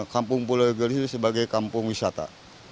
kampung pulau gelis ini sebagai kampung wisata